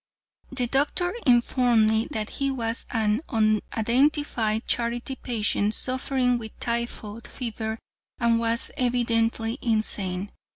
The doctor informed me that he was an unidentified charity patient suffering with typhoid fever and was evidently insane.